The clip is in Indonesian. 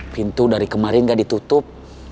pintu dari kemarin gak ditutup